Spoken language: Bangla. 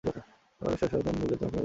ফর্সা সয়তান গুলো তোমাকে মেরে ফেলবে।